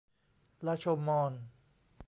ลาโชว์มอญ